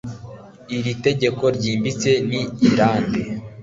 iri tegeko ryimbitse ni irande